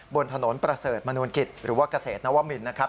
บนถนนประเสริฐมนุนกิจหรือว่าเกษตรนวมินนะครับ